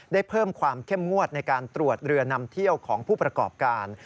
ได้เพิ่มความเข้มงวดในการตรวจเรือนำเที่ยวของผู้ประกอบการ